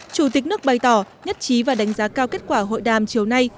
chủ tịch nước bày tỏ nhất trí và đánh giá cao kết quả hội đàm chiều nay